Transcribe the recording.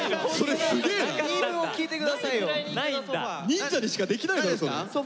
忍者にしかできないのよそれ。